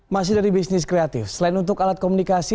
masih dari bisnis kreatif selain untuk alat komunikasi